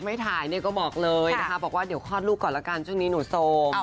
ไม่ถ่ายเนี่ยก็บอกเลยนะคะบอกว่าเดี๋ยวคลอดลูกก่อนละกันช่วงนี้หนูโซม